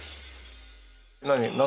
何？